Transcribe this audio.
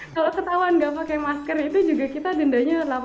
kalau ketahuan enggak pakai masker itu juga kita dendanya delapan puluh euro ya